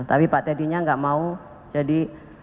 tapi pak teddy nya nggak mau jadi